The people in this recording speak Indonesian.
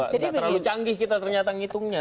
terlalu canggih kita ternyata ngitungnya